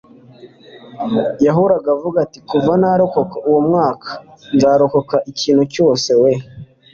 yahoraga avuga ati kuva narokoka uwo mwaka, nzarokoka ikintu cyose. we